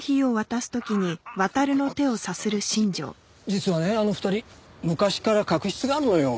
実はねあの２人昔から確執があるのよ。